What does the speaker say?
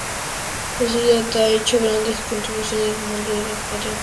La ciudad ha hecho grandes contribuciones al mundo de la paleontología.